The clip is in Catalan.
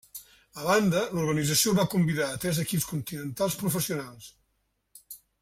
A banda, l'organització va convidar a tres equips continentals professionals.